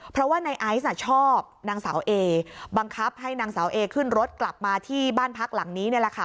เพราะว่าในไอซ์ชอบนางสาวเอบังคับให้นางสาวเอขึ้นรถกลับมาที่บ้านพักหลังนี้นี่แหละค่ะ